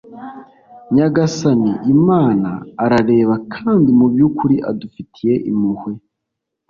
nyagasani imana arareba kandi mu by'ukuri adufitiye impuhwe